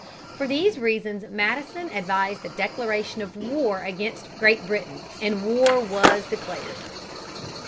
For these reasons Madison advised a declaration of war against Great Britain, and war was declared.